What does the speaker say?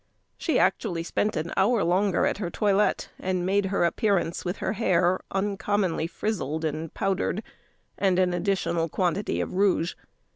She actually spent an hour longer at her toilet, and made her appearance with her hair uncommonly frizzled and powdered, and an additional quantity of rouge.